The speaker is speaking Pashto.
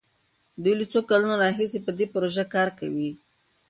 دوی له څو کلونو راهيسې په دې پروژه کار کوي.